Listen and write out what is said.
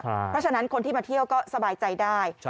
เพราะฉะนั้นคนที่มาเที่ยวก็สบายใจได้